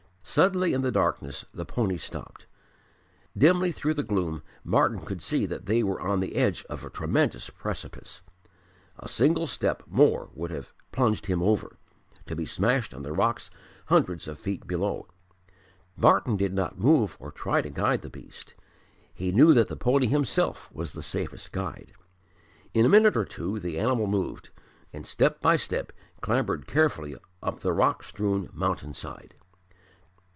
Suddenly in the darkness the pony stopped; dimly through the gloom Martyn could see that they were on the edge of a tremendous precipice. A single step more would have plunged him over, to be smashed on the rocks hundreds of feet below. Martyn did not move or try to guide the beast: he knew that the pony himself was the safest guide. In a minute or two the animal moved, and step by step clambered carefully up the rock strewn mountain side.